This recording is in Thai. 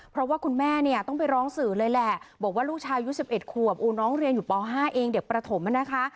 เพราะว่าคุณแม่เนี่ยต้องไปร้องสื่อเลยแหละบอกว่าลูกชายอายุ๑๑ขวบน้องเรียนอยู่ป๕เองเด็กประถมนะคะ